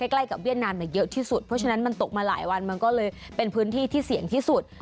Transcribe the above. ใกล้กับเวียดนามเยอะที่สุดเพราะฉะนั้นมันตกมาหลายวันมันก็เลยเป็นพื้นที่ที่เสี่ยงที่สุด